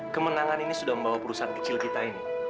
kemenangan ini sudah membawa perusahaan kecil kita ini